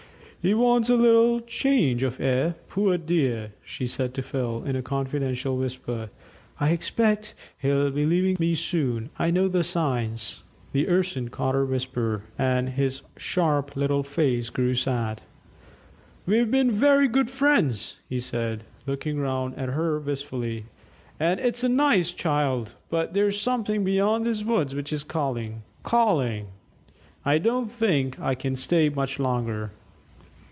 "He wants a little change of air, poor dear," she said to Phil in a confidential whisper. "I expect he'll be leaving me soon I know the signs." The Urson caught her whisper, and his sharp little face grew sad. "We've been very good friends," he said, looking round at her wistfully, "and it's a nice child; but there's something beyond these woods which is calling calling. I don't think that I can stay much longer."